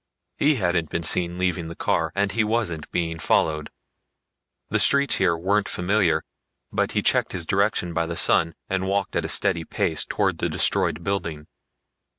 He hadn't been seen leaving the car, and he wasn't being followed. The streets here weren't familiar, but he checked his direction by the sun and walked at a steady fast pace towards the destroyed building.